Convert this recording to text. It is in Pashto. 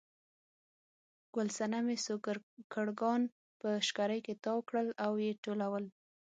ګل صنمې سوکړکان په شکري کې تاو کړل او یې ټولول.